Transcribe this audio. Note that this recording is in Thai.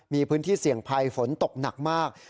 มีพื้นที่เสี่ยงภัยฝนตกหนักมาก